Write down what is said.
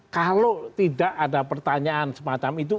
kalau tidak ada pertanyaan semacam itu